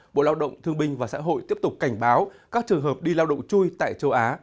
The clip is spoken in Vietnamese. bộ lao động thương binh và xã hội tiếp tục cảnh báo các trường hợp đi lao động chui tại châu á